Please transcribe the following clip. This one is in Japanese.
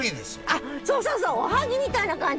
あっそうそうそうおはぎみたいな感じ。